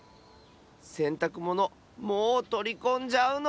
せんたくものもうとりこんじゃうの？